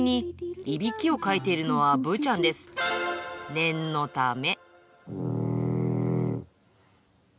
念のため。